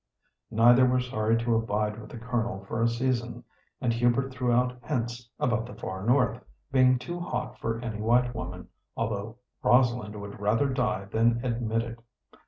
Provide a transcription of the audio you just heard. Neither were sorry to abide with the Colonel for a season, and Hubert threw out hints about "the far north" being too hot for any white woman, although Rosalind would rather die than admit it.